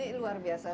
itu luar biasa